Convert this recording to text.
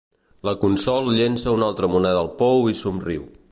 La Consol llença una altra moneda al pou i somriu.